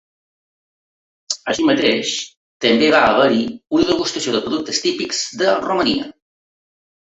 Així mateix, també va haver-hi una degustació de productes típics de Romania.